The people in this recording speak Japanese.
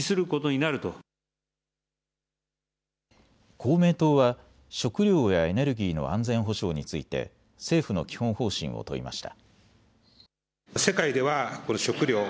公明党は食料やエネルギーの安全保障について政府の基本方針を問いました。